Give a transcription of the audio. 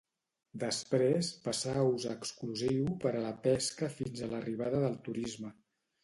Després passà a ús exclusiu per a la pesca fins a l'arribada del turisme.